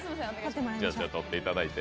撮っていただいて。